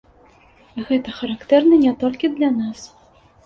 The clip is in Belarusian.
Гэта характэрна не толькі для нас.